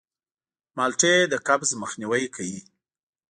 مالټې د قبض مخنیوی کوي.